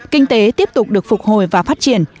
kinh tế tiếp tục được phục hồi và phát triển